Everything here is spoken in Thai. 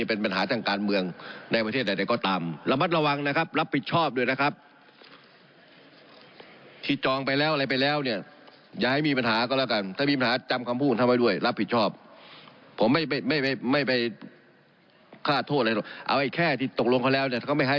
เอาไอ้แค่ที่ตกลงแล้วก็ไม่ให้มาตรงนี้